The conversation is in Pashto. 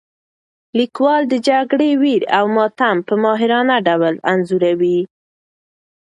لیکوال د جګړې ویر او ماتم په ماهرانه ډول انځوروي.